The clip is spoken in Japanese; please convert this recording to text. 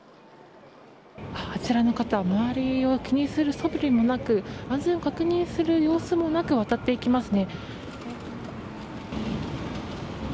あちらの方周りを気にする素振りもなく安全を確認する様子もなく渡っていきますね。